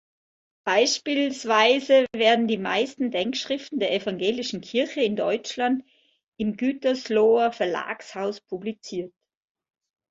Beispielsweise werden die meisten Denkschriften der Evangelischen Kirche in Deutschland im Gütersloher Verlagshaus publiziert.